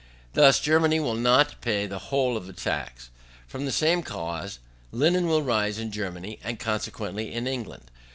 Thus Germany will not pay the whole of the tax. From the same cause, linen will rise in Germany, and consequently in England.